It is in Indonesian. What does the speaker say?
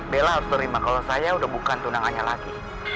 bella harus terima kalau saya udah bukan tunangannya lagi